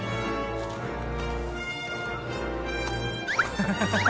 ハハハ